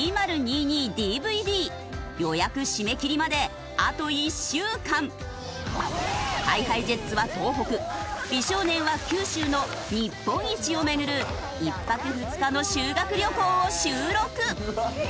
ロケとライブの２枚組ＨｉＨｉＪｅｔｓは東北美少年は九州の日本一を巡る１泊２日の修学旅行を収録。